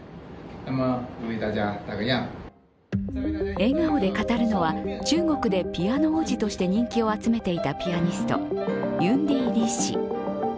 笑顔で語るのは、中国でピアノ王子として人気を集めていたピアニストユンディ・リ氏。